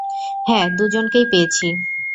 হ্যাঁ, দুজনকেই পেয়েছি।